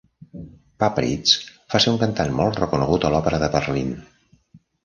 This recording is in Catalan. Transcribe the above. Pappritz va ser un cantant molt reconegut a l'Òpera de Berlín.